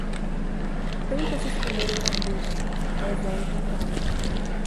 Tenta se esconder em um arbusto, mas é encontrada